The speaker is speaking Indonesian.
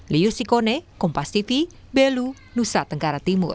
lius sikone kompas tv belu nusa tenggara timur